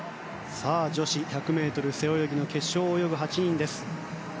女子１００ｍ背泳ぎの決勝を泳ぐ８人です。